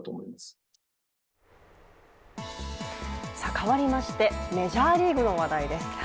変わりまして、メジャーリーグの話題です。